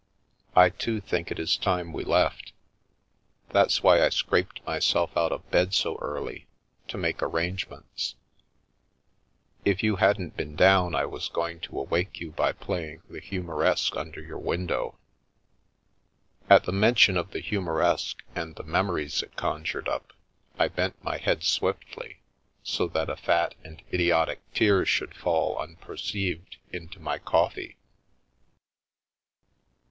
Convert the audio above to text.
I, too, think it is time we left. That's why I scraped myself out of bed so early. To make arrangements. If you hadn't been down, I was going to awake you by playing the ' Humoreske ' under your window." At the mention of the " Humoreske " and the memo ries it conjured up, I bent my head swiftly, so that a fat and idiotic tear should fall, unperceived, into my coffee.